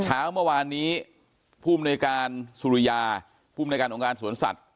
เช้าเมื่อวานนี้ภูมิในการสุริยาภูมิในการองค์การสวนสัตว